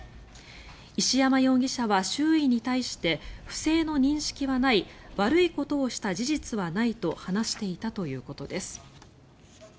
石山容疑者は周囲に対して不正の認識はない悪いことをした事実はないと話していたということです。